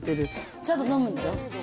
ちゃんと飲むんだよ。